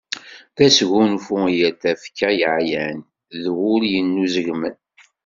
D asgunfu i yal tafekka yeɛyan, d wul yenuzegmen.